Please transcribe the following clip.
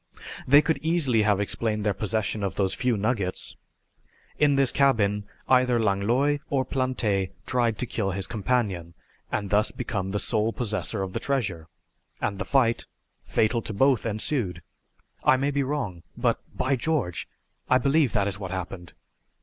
They could easily have explained their possession of those few nuggets. In this cabin either Langlois or Plante tried to kill his companion, and thus become the sole possessor of the treasure, and the fight, fatal to both, ensued. I may be wrong, but by George, I believe that is what happened!"